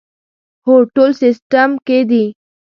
هو، ټول سیسټم کې دي